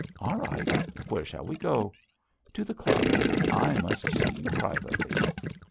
'All right. Where shall we go?' 'To the club. I must see you privately.'